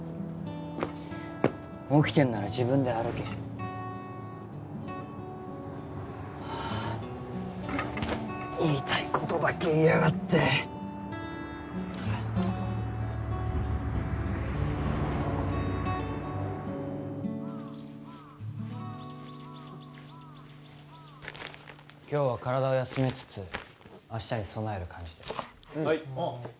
起きてんなら自分で歩け言いたいことだけ言いやがって今日は体を休めつつ明日に備える感じではい